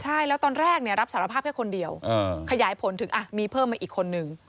ใช่แล้วตอนแรกรับสารภาพแค่คนเดียวขยายผลถึงมีเพิ่มมาอีกคนนึง